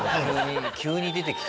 急に出てきた。